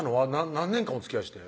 何年間おつきあいして？